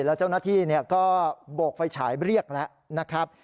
แล้วเจ้าหน้าที่ก็โบกไฟฉายเรียกแล้วนะครับ